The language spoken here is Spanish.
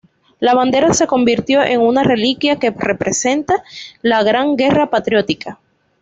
La bandera se convirtió en una reliquia que representa la Gran Guerra Patriótica.